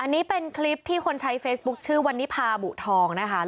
อันนี้เป็นคลิปที่คนใช้เฟซบุ๊คชื่อวันนิพาบุทองนะคะ